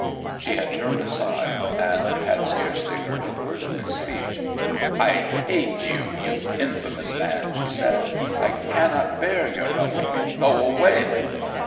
'She had turned aside, and had scarcely heard a word of his speech. "I hate you, infamous man!" she said. "I cannot bear your helping me. Go away!"